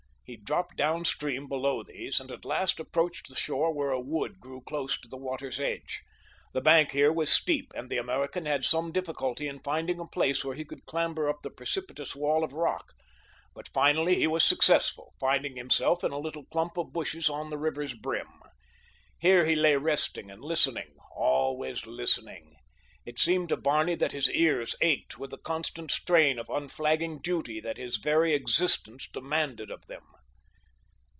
He dropped down stream below these, and at last approached the shore where a wood grew close to the water's edge. The bank here was steep, and the American had some difficulty in finding a place where he could clamber up the precipitous wall of rock. But finally he was successful, finding himself in a little clump of bushes on the river's brim. Here he lay resting and listening—always listening. It seemed to Barney that his ears ached with the constant strain of unflagging duty that his very existence demanded of them.